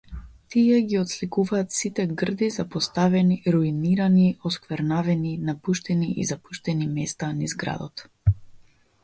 Тие ги отсликуваат сите грди, запоставени, руинирани, осквернавени, напуштени и запуштени места низ градот.